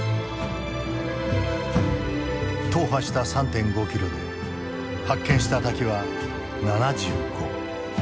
踏破した３．５キロで発見した滝は７５。